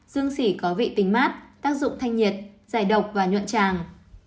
dương sỉ có vị tính mát tác dụng thanh nhiệt giải độc và nhuận tràng